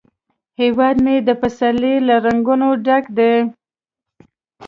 هیواد مې د پسرلي له رنګونو ډک دی